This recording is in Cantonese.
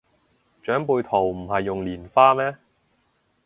長輩圖唔係用蓮花咩